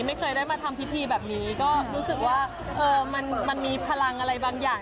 ไม่เคยได้มาทำพิธีแบบนี้ก็รู้สึกว่ามันมีพลังอะไรบางอย่าง